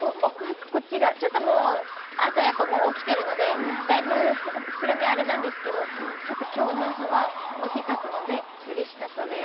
朝やっぱもう起きてるので、だいぶ膨らみはあれなんですけど、今日の朝は大きかったのでうれしかったです。